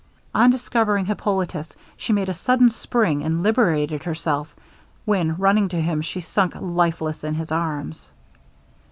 On discovering Hippolitus, she made a sudden spring, and liberated herself; when, running to him, she sunk lifeless in his arms.